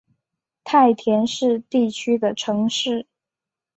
太田市地区的城市。